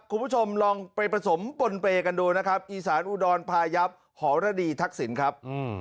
คุณผู้ชมลองไปผสมปนเปย์กันดูนะครับอีสานอุดรพายับหรดีทักษิณครับ